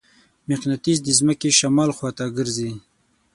مقناطیس د ځمکې شمال خواته ګرځي.